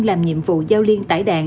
làm nhiệm vụ giao liên tải đạn